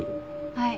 はい。